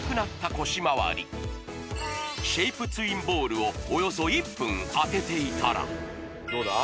腰まわりシェイプツインボールをおよそ１分当てていたらどうだ？